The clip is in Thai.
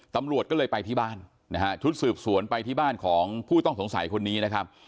ตำรวจก็เลยไปที่บ้านนะฮะชุดสืบสวนไปที่บ้านของผู้ต้องสงสัยคนนี้นะครับ